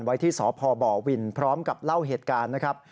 ไว้ที่สพบวินพร้อมกับเล่าเหตุการณ์นะครับ